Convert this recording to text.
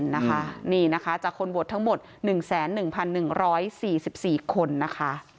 นะคะนี่นะคะจากคนโหวตทั้งหมด๑๑๑๔๔คนนะคะ